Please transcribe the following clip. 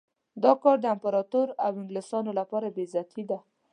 دا کار د امپراطور او انګلیسیانو لپاره بې عزتي ده.